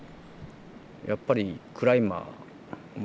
やっぱりクライマーまあ